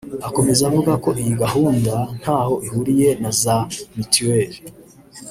Akomeza avuga ko iyi gahunda ntaho ihuriye na za Mitiweli